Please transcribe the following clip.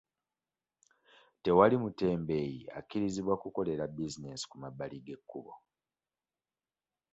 Tewali mutembeeyi akkirizibwa kukolera bizinensi ku mabbali g'ekkubo.